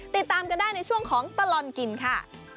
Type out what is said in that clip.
ติดตามกันได้ในช่วงของตลอดกินค่ะ